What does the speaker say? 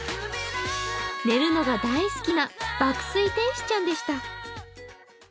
寝るのが大好きな爆睡天使ちゃんでした。